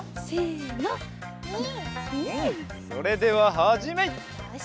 それでははじめい！